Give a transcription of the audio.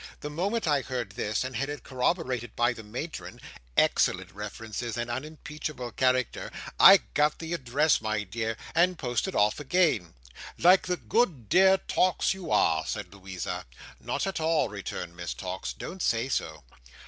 The moment I heard this, and had it corroborated by the matron—excellent references and unimpeachable character—I got the address, my dear, and posted off again." "Like the dear good Tox, you are!" said Louisa. "Not at all," returned Miss Tox. "Don't say so.